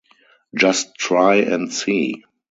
Just try and see.